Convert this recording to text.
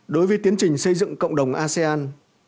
đối với tiến trình xây dựng cộng đồng asean